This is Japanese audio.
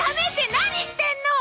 何してんの！？